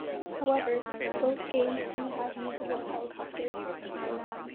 However, both games do have usable helicopters.